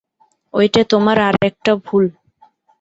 ঐটে তোমার আর-একটা ভুল।